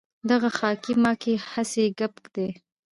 دغه خاکې ماکې هسې ګپ دی.